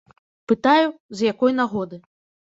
Пытаю, з якой нагоды.